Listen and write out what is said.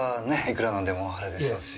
いくら何でもあれでしょうし。